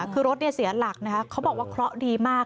คือรถเสียหลักนะคะเขาบอกว่าเคราะห์ดีมาก